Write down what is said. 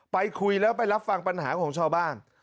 คุยแล้วไปรับฟังปัญหาของชาวบ้าน